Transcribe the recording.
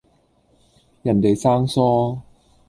人地生疏